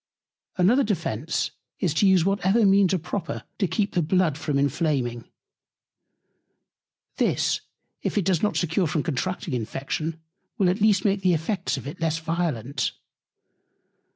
Another Defence is, to use whatever Means are proper to keep the Blood from Inflaming. This, if it does not secure from contracting Infection, will at least make the Effects of it less violent.